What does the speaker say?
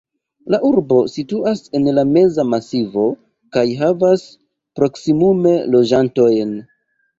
La urbo situas en la Meza Masivo kaj havas proksimume loĝantojn.